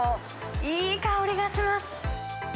いい香りがします。